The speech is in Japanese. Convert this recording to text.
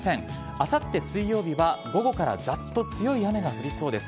あさって水曜日は午後からざっと強い雨が降りそうです。